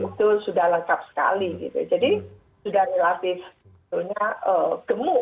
itu sudah lengkap sekali gitu